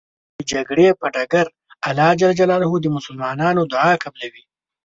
د جګړې په ډګر الله ج د مسلمان دعا قبلوی .